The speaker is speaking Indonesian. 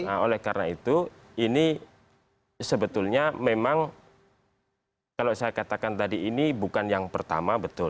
nah oleh karena itu ini sebetulnya memang kalau saya katakan tadi ini bukan yang pertama betul